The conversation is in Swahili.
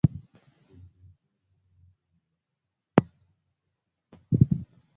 Uidhinishaji huo mpya unabatilisha uamuzi wa Rais wa zamani